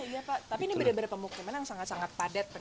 iya pak tapi ini benar benar pemukiman yang sangat sangat padat